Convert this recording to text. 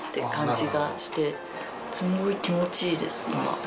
すごい気持ちいいです今。